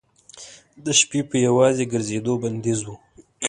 د شپې په یوازې ګرځېدو بندیز و.